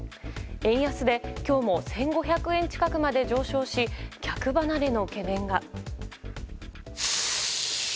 円安で今日も１５００円近くまで上昇し客離れの懸念が。